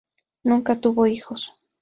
Nunca tuvo hijos.